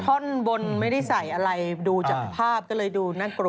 ท่อนบนไม่ได้ใส่อะไรดูจากภาพก็เลยดูน่ากลัว